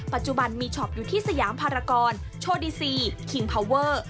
ปัจจุบันมีช็อปอยู่ที่สยามภารกรโชดีคิงพาวเวอร์